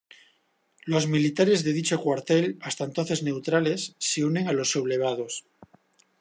Los militares de dicho cuartel, hasta entonces neutrales, se unen a los sublevados.